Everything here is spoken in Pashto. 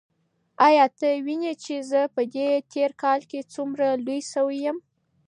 ایا ته وینې چې زه په دې تېر کال کې څومره لوی شوی یم؟